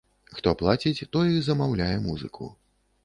Хто плаціць, той і замаўляе музыку.